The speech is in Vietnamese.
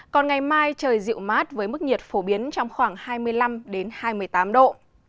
còn ngày mai trời dịu mát với mức nhiệt phổ biến trong khoảng hai mươi năm hai mươi tám độ